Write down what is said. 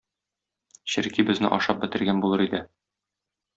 Черки безне ашап бетергән булыр иде.